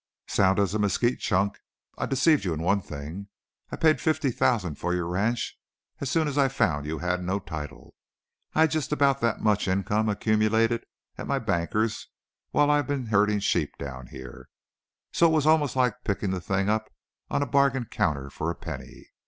"Sound as a mesquite chunk. I deceived you in one thing. I paid fifty thousand for your ranch as soon as I found you had no title. I had just about that much income accumulated at my banker's while I've been herding sheep down here, so it was almost like picking the thing up on a bargain counter for a penny.